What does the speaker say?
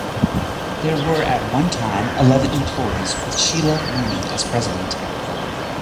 There were at one time eleven employees with Sheila Mooney as President.